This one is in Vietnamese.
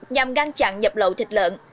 nhằm ngăn chặn nhập lậu thịt lợn